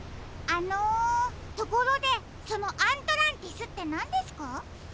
あのところでそのアントランティスってなんですか？